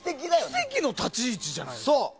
奇跡の立ち位置じゃないですか。